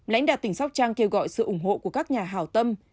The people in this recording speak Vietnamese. lánh đạt tỉnh sóc trang kêu gọi sự ủng hộ của các nhà hào tâm